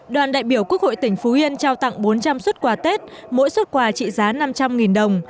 đoàn đại biểu quốc hội tỉnh phú yên trao tặng bốn trăm linh xuất quà tết mỗi xuất quà trị giá năm trăm linh đồng